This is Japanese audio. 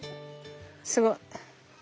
すごい。